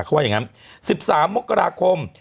เขาว่าอย่างนั้น๑๓มกราคม